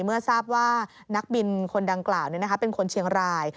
เมื่อทราบว่านักบินคนดังกล่าวเป็นคนเชียงราย